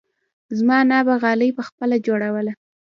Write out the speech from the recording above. زما انا به غالۍ پخپله جوړوله.